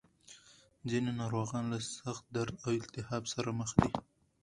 ځینې ناروغان له سخت درد او التهاب سره مخ دي.